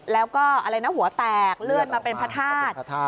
แล้วก็หัวแตกเลื่อนมาเป็นพระธาตุ